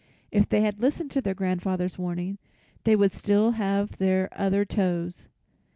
If they had listened to their grandfather's warning they would still have their other toes.